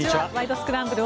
スクランブル」